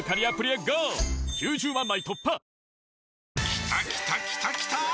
きたきたきたきたー！